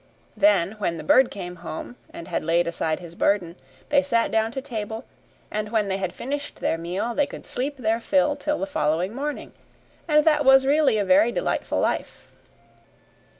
Then, when the bird came home and had laid aside his burden, they sat down to table, and when they had finished their meal, they could sleep their fill till the following morning: and that was really a very delightful life.